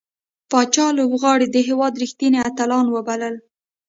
پاچا لوبغاړي د هيواد رښتينې اتلان وبلل .